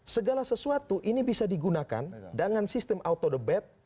segala sesuatu ini bisa digunakan dengan sistem auto the bed